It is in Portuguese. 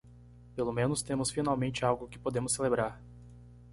Pelo menos temos finalmente algo que podemos celebrar.